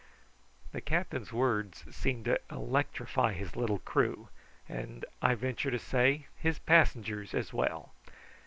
The captain's words seemed to electrify his little crew, and, I venture to say, his passengers as well.